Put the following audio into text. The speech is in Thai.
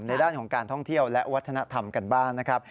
ด้านของการท่องเที่ยวและวัฒนธรรมกันบ้างนะครับ